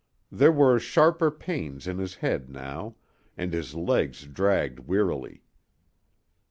There were sharper pains in his head now, and his legs dragged wearily.